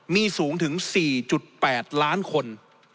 มีสูงถึง๔๘ล้านคน